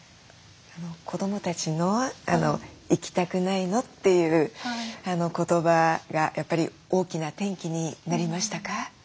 子どもたちの「行きたくないの？」というあの言葉がやっぱり大きな転機になりましたか？